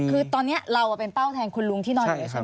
คือตอนนี้เราเป็นเป้าแทนคนรุมที่นอนอยู่ใช่ไหม